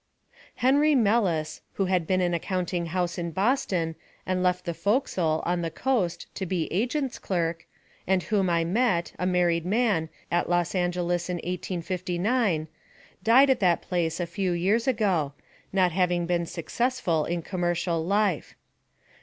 Henry Mellus, who had been in a counting house in Boston, and left the forecastle, on the coast, to be agent's clerk, and whom I met, a married man, at Los Angeles in 1859, died at that place a few years ago, not having been successful in commercial life.